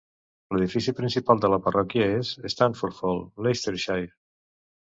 L'edifici principal de la parròquia és Stanford Hall, Leicestershire.